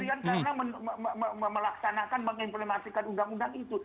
tidak berlebihan karena melaksanakan mengimplementasikan undang undang itu